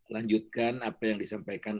lanjutkan apa yang disampaikan